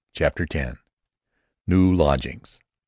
CHAPTER X NEW LODGINGS I.